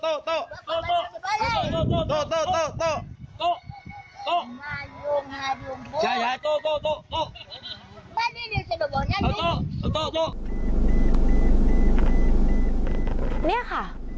โตโตโตโต